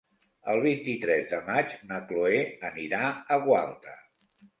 El vint-i-tres de maig na Cloè anirà a Gualta.